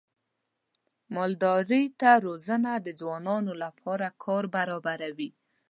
مالدارۍ ته روزنه د ځوانانو لپاره کار برابروي.